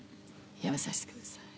辞めさせてください」。